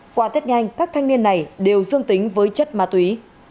qua tết nhanh các thanh niên này đều dương tính với chất ma túy